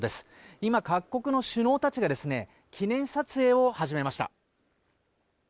今、各国の首脳たちが記念撮影を始めました。